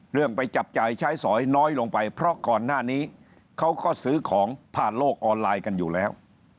ไปจับจ่ายใช้สอยน้อยลงไปเพราะก่อนหน้านี้เขาก็ซื้อของผ่านโลกออนไลน์กันอยู่แล้ว